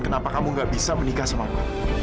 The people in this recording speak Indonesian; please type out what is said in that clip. kenapa kamu gak bisa menikah sama aku